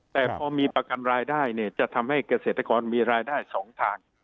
แต่พอมีประกันรายได้เนี่ยจะทำให้เกษตรกรมีรายได้๒ทาง